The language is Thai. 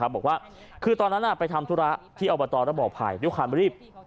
บอกว่าคือตอนนั้นไปทำธุระที่อบตรบอกภัยด้วยความรีบ